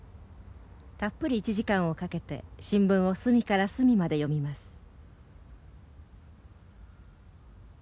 たっぷり１時間をかけて新聞を隅から隅まで読みます。